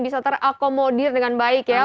bisa terakomodir dengan baik ya